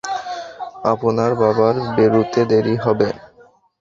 আপনার বাবার বেরুতে দেরি হবে।